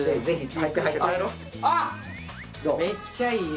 めっちゃいい。